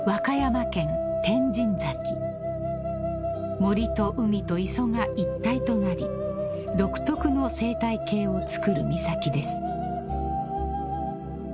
［森と海と磯が一体となり独特の生態系をつくる岬です］